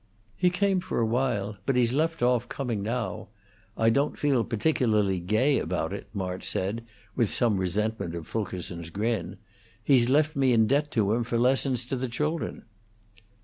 "He came for a while, but he's left off coming now. I don't feel particularly gay about it," March said, with some resentment of Fulkerson's grin. "He's left me in debt to him for lessons to the children."